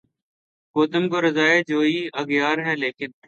گو تم کو رضا جوئیِ اغیار ہے لیکن